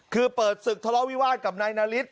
คือเปิดศึกทะเลาะวิวาสกับนายนาริส